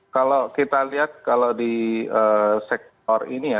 kalau kita lihat kalau di sektor ini ya